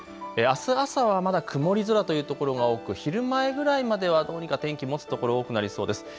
あす朝はまだ曇り空というところが多く昼前くらいまではどうにか天気、もつところが多くなりそうです。